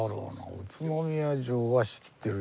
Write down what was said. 宇都宮城は知ってる。